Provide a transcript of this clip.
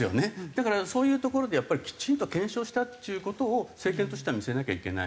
だからそういうところでやっぱりきちんと検証したっちゅう事を政権としては見せなきゃいけないし。